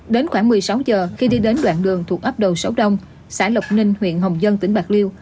đến khoảng một mươi sáu giờ khi đi đến đoạn đường thuộc ấp đầu sáu đông xã lộc ninh huyện hồng dân tỉnh bạc liêu